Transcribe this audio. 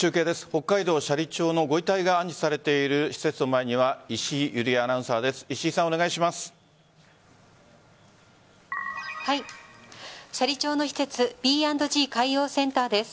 北海道斜里町のご遺体が安置されている施設の前には石井アナウンサーです。